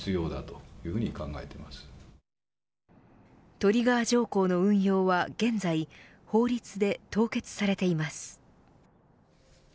トリガー条項の運用は現在法律で凍結されています。